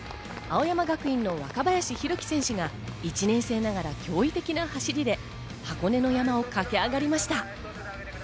青山学院の若林宏樹選手が１年生ながら驚異的な走りで箱根の山を駆け上がりました。